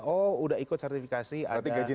oh sudah ikut sertifikasi